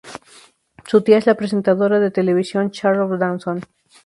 Su tía es la presentadora de televisión Charlotte Dawson.